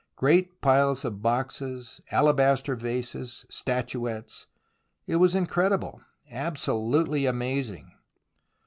Great piles of boxes, alabaster vases, statuettes — it was in credible, absolutely amazing.